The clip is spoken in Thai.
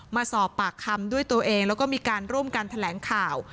มาสอบปากคำด้วยตัวเองแล้วก็มีการร่วมกันแถลงข่าว